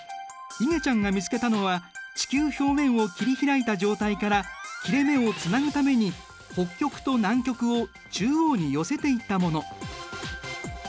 いげちゃんが見つけたのは地球表面を切り開いた状態から切れ目をつなぐために北極と南極を中央に寄せていったもの。